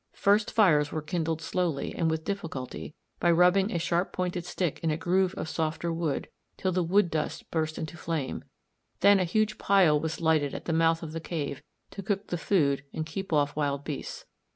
First fires were kindled slowly and with difficulty by rubbing a sharp pointed stick in a groove of softer wood till the wood dust burst into flame; then a huge pile was lighted at the mouth of the cave to cook the food and keep off wild beasts.